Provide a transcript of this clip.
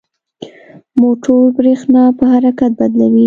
موټور برېښنا په حرکت بدلوي.